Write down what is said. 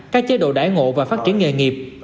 các chế độ đái ngộ và phát triển nghề nghiệp